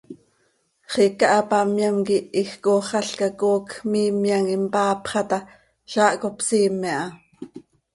Xiica hapamyam quih iij cooxalca coocj miimyam impaapxa ta, zaah cop siime aha.